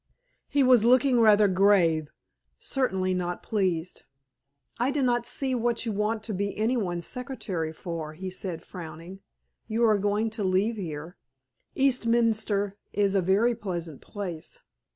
He was looking rather grave; certainly not pleased. "I do not see what you want to be any one's secretary for," he said, frowning. "You are going to leave here. Eastminster is a very pleasant place."